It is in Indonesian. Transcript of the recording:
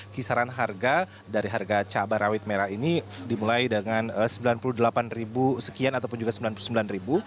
kisaran harga dari harga cabai rawit merah ini dimulai dengan rp sembilan puluh delapan sekian ataupun juga rp sembilan puluh sembilan